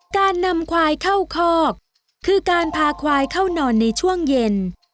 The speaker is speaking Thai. การนำควายเข้าคอกคือการพาควายเข้านอนในช่วงเย็น